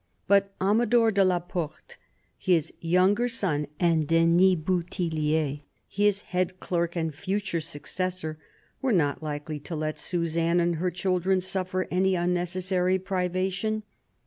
But Amador de la Porte, his younger son, and Denys Bouthillier, his head clerk and future successor, were not likely to let Suzanne and her children suffer any un necessary privation.